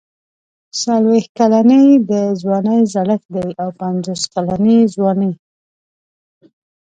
څلوېښت کلني د ځوانۍ زړښت دی او پنځوس کلني ځواني.